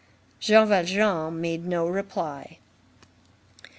Jean Valjean made no reply.